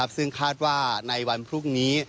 ซึ่งคาดว่าในวันพรุ่งนี้